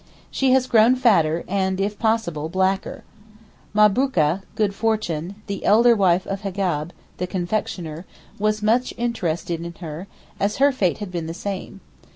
She has grown fatter and, if possible, blacker. Mahbrooka (Good Fortune), the elder wife of Hegab, the confectioner, was much interested in her, as her fate had been the same.